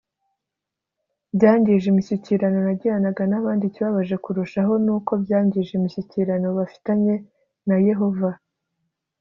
byangije imishyikirano nagiranaga n abandi Ikibabaje kurushaho ni uko byangije imishyikirano bafitanye na Yehova